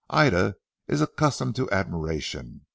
"Ida is accustomed to admiration.